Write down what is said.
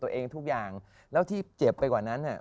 ตัวเองทุกอย่างแล้วที่เจ็บไปกว่านั้น